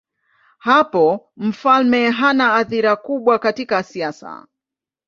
Hapo mfalme hana athira kubwa katika siasa.